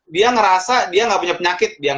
dia ngerasa dia nggak punya penyakit